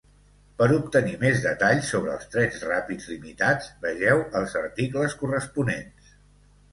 Per obtenir més detalls sobre els trens ràpids limitats, vegeu els articles corresponents.